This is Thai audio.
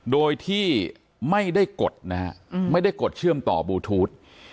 โดยที่ไม่ได้กดเชื่อมต่อบลูทูธ